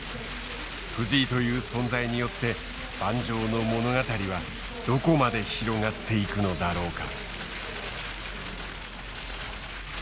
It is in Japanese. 藤井という存在によって盤上の物語はどこまで広がっていくのだろうか。